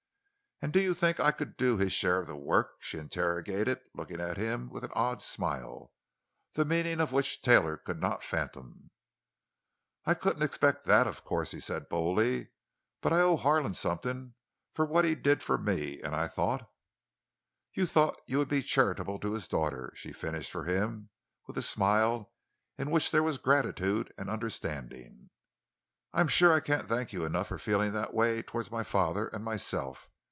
"And do you think I could do his share of the work?" she interrogated, looking at him with an odd smile, the meaning of which Taylor could not fathom. "I couldn't expect that, of course," he said boldly; "but I owe Harlan something for what he did for me, and I thought——" "You thought you would be charitable to the daughter," she finished for him, with a smile in which there was gratitude and understanding. "I am sure I can't thank you enough for feeling that way toward my father and myself.